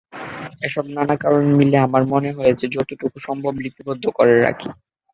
এসব নানা কারণ মিলে আমার মনে হয়েছে, যতটুকু সম্ভব, লিপিবদ্ধ করে রাখি।